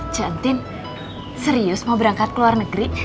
jantin serius mau berangkat ke luar negeri